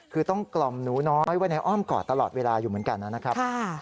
คือต้องกล่อมหนูน้อยไว้ในอ้อมกอดตลอดเวลาอยู่เหมือนกันนะครับ